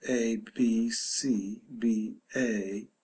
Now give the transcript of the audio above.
a. b. c. b. a.